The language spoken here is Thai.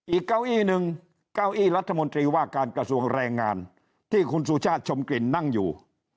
เก้าอี้หนึ่งเก้าอี้รัฐมนตรีว่าการกระทรวงแรงงานที่คุณสุชาติชมกลิ่นนั่งอยู่